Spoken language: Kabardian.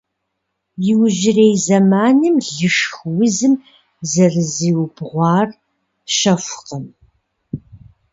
Иужьрей зэманым лышх узым зэрызиубгъуар щэхукъым.